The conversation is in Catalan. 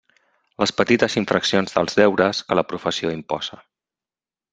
Les petites infraccions dels deures que la professió imposa.